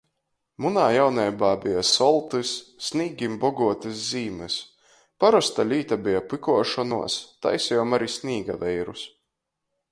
Munā jauneibā beja soltys, snīgim bogotys zīmys. Parosta līta beja pykuošonuos. Taisejom ari snīgaveirus.